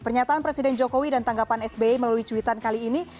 pernyataan presiden jokowi dan tanggapan sbi melalui cuitan kali ini